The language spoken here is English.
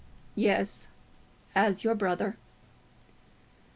"Yes; as your brother."